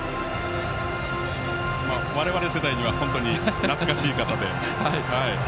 我々世代には懐かしい方で。